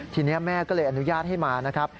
ทีนี้แม่ก็เลยอนุญาตให้มานะครับ